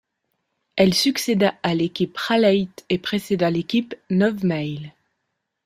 Elle succéda à l'équipe Raleigh et précéda l'équipe Novemail.